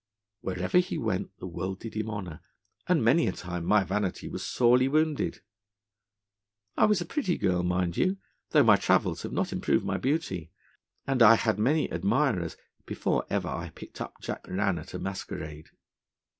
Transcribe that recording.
Wherever he went the world did him honour, and many a time my vanity was sorely wounded. I was a pretty girl, mind you, though my travels have not improved my beauty; and I had many admirers before ever I picked up Jack Rann at a masquerade.